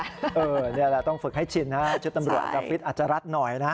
นี่แหละต้องฝึกให้ชินนะชุดตำรวจกาฟิตอาจจะรัดหน่อยนะฮะ